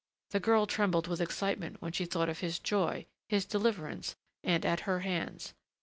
The girl trembled with excitement when she thought of his joy, his deliverance and at her hands.